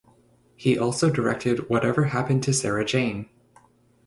He also directed Whatever Happened to Sarah Jane?